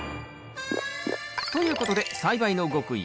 ということで栽培の極意